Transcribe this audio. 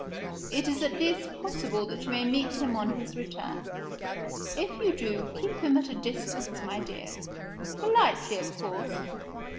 It is at least possible that you may meet with him on his return. If you do, keep him at a distance, my dear politely, of course.